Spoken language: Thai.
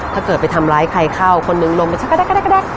ถ้าเกิดไปทำร้ายใครเข้าคนหนึ่งลงไปชักกระดาก